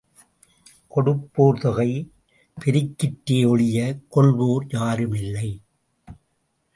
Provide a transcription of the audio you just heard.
கொடுப்போர் தொகை பெருகிற்றே ஒழியக் கொள்வோர் யாருமில்லை.